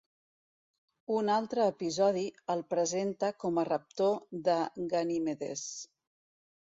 Un altre episodi el presenta com a raptor de Ganimedes.